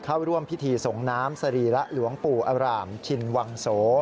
เข้าร่วมพิธีส่งน้ำสรีระหลวงปู่อร่ามชินวังโส